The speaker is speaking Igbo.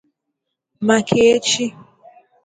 màkà echi